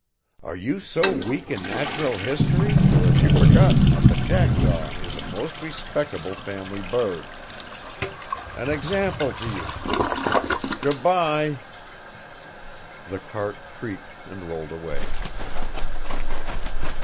Are you so weak in natural history or have you forgotten that the jackdaw is a most respectable family bird! An example to you ...! Good by." The cart creaked and rolled away.